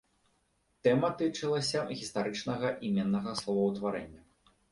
Тэма тычылася гістарычнага іменнага словаўтварэння.